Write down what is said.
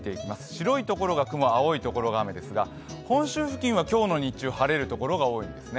白いところが雲、青いところが雨ですが、本州付近は今日の日中、晴れる所が多いんです。